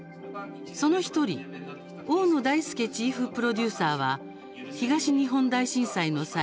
その１人、大野太輔チーフプロデューサーは東日本大震災の際